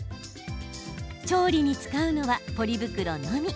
調理に使うのはポリ袋のみ。